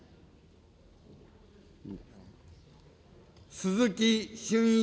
鈴木俊一